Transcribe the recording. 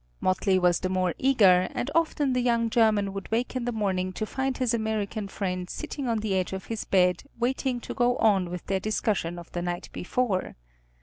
Motley was the more eager, and often the young German would wake in the morning to find his American friend sitting on the edge of his bed waiting to go on with their discussion of the night before.